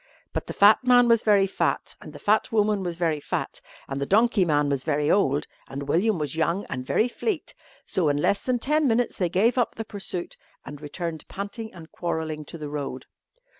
But the fat man was very fat, and the fat woman was very fat, and the donkey man was very old, and William was young and very fleet, so in less than ten minutes they gave up the pursuit and returned panting and quarrelling to the road.